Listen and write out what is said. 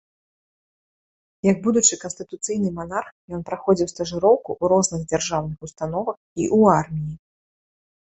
Як будучы канстытуцыйны манарх ён праходзіў стажыроўку ў розных дзяржаўных установах і ў арміі.